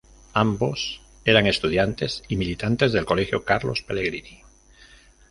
Ambos eran estudiantes y militantes del colegio Carlos Pellegrini.